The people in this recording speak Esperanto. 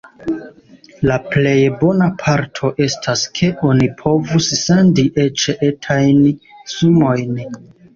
La plej bona parto estas ke oni povus sendi eĉ etajn sumojn.